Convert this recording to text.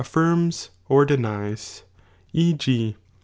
^' ■ffima or denies, e. g.